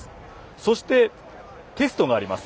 そして、テストがあります。